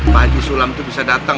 pak haji sulam tuh bisa dateng